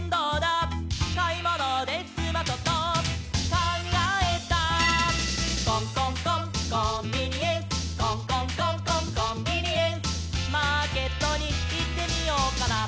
「かいものですまそとかんがえた」「コンコンコンコンビニエンス」「コンコンコンコンコンビニエンス」「マーケットにいってみようかな」